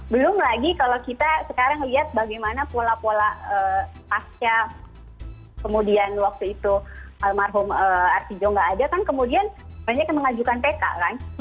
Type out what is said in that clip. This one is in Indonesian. belum lagi kalau kita sekarang lihat bagaimana pola pola pasca kemudian waktu itu almarhum artijo nggak ada kan kemudian banyak yang mengajukan pk kan